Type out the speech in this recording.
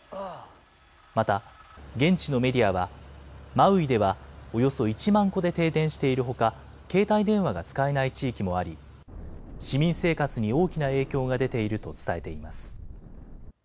また、現地のメディアは、マウイでは、およそ１万戸で停電しているほか、携帯電話が使えない地域もあり、市民生活に大きな影響が出ていると伝えています。